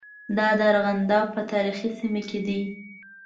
دا د ارغنداب په تاریخي سیمه کې دي.